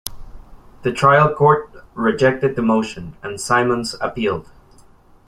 The trial court rejected the motion, and Simmons appealed.